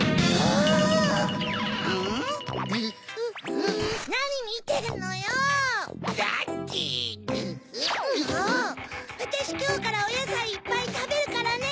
わたしきょうからおやさいいっぱいたべるからね！